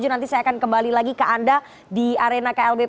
nanti saya akan kembali lagi ke anda di arena klb